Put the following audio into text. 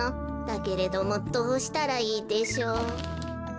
だけれどもどうしたらいいでしょう」。